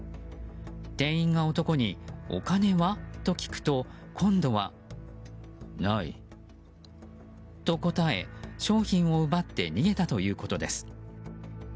店員が男にお金は？と聞くと今度は。と答え商品を奪って逃げたということです。